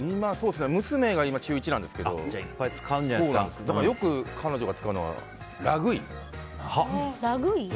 娘が今、中１なんですけどよく、彼女が使うのはラグい。